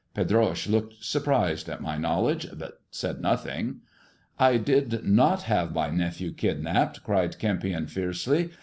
Pedroche looked surprised at my knowledge, but said nothing. " I did not have my nephew kidnapped !" cried Kempion fiercely.